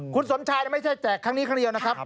คุณสมชายไม่ใช่แจกครั้งนี้ครั้งเดียวนะครับ